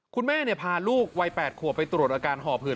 คุณแม่พาลูกวัย๘ขวบไปตรวจอาการห่อผืด